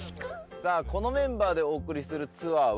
さあこのメンバーでお送りするツアーは。